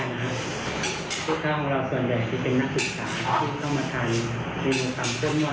ทุกข้าวของเราส่วนใหญ่คือเป็นนักผิดขา